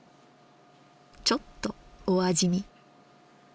ちょっとお味見。